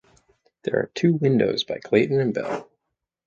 There are two windows by Clayton and Bell.